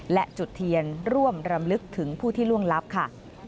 และจุดเทียนร่วมรำลึกถึงผู้ที่ล่วงลับค่ะ